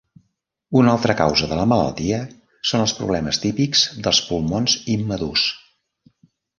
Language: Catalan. Una altra causa de la malaltia són els problemes típics dels pulmons immadurs.